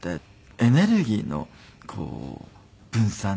エネルギーの分散価値。